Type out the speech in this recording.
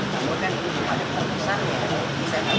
tapi kan ini bukan perusahaan